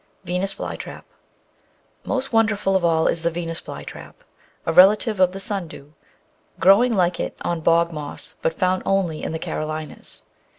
Venus Fly trap Most wonderful of all is the Venus fly trap, a relative of the sundew, growing like it on bogmoss, but found only in the Caro linas.